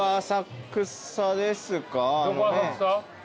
どこ浅草？